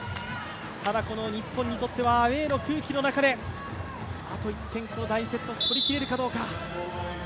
ただこの日本にとってはアウェーの空気の中であと１点、この第２セット取りきれるかどうか。